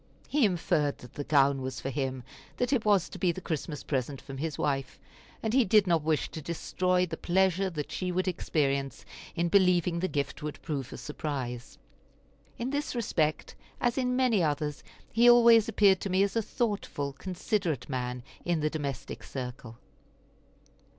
He inferred that the gown was for him, that it was to be the Christmas present from his wife, and he did not wish to destroy the pleasure that she would experience in believing that the gift would prove a surprise. In this respect, as in many others, he always appeared to me as a thoughtful, considerate man in the domestic circle.